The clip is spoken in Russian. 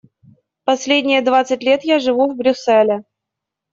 Последние двадцать лет я живу в Брюсселе.